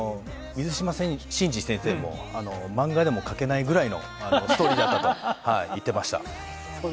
水島慎司先生でも漫画でも描けないぐらいのストーリーだったと言っていました。